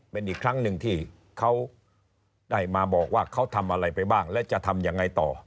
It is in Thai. เป็นอีกครั้งหนึ่งที่เขาได้มาบอกว่าเขาทำอะไรไปบ้างและจะทำยังไงต่อ